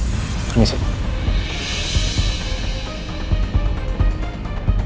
aku harus percaya sama siapa yang terlihat